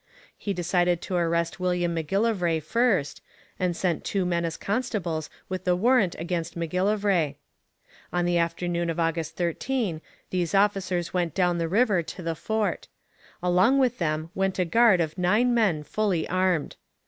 He decided to arrest William M'Gillivray first, and sent two men as constables with a warrant against M'Gillivray. On the afternoon of August 13 these officers went down the river to the fort. Along with them went a guard of nine men fully armed.